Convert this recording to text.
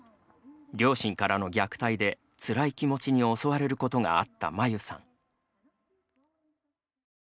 両親からの虐待でつらい気持ちに襲われることがあった、まゆさん。